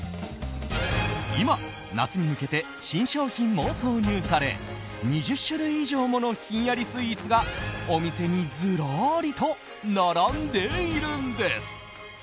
今、夏に向けて新商品も投入され２０種類以上ものひんやりスイーツがお店にずらりと並んでいるんです。